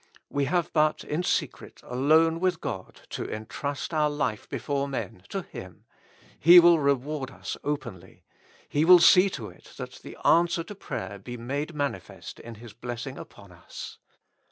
We have but in secret, alone with God, to entrust our life before men to Him ; He will reward us openly ; He will see to it that the answer 27 With Christ in the School of Prayer. to prayer be made manifest in His blessing upon us.